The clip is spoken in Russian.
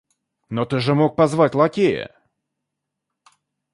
Но ты же мог позвать лакея!